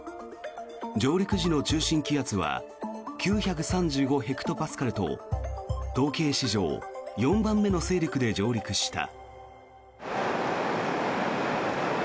上陸時の中心気圧は９３５ヘクトパスカルと統計史上４番目の勢力で上陸した。